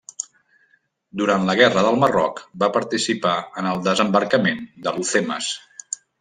Durant la guerra del Marroc va participar en el desembarcament d'Alhucemas.